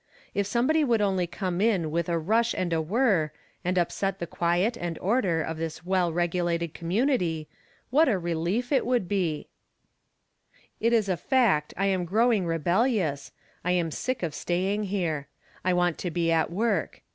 If somebody would only come in with a rUshvand^a wliir, and upset the quiet and order of this 'iFell regulated community, what a relief it would be J ■ It is a fact, I am growing rebellious, I' am gick of staying here. 1 want to be at work.